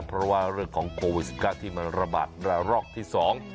เพราะว่าเรื่องของโควิดสิบเก้าที่มันระบาดระรอกที่สอง